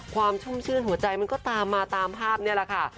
ชุ่มชื่นหัวใจมันก็ตามมาตามภาพนี่แหละค่ะ